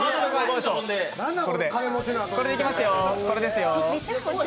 これですよ。